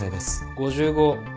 ５５。